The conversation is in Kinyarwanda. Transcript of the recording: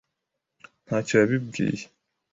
ntacyo yabibwiye.